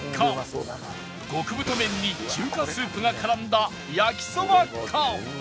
極太麺に中華スープが絡んだやきそばか？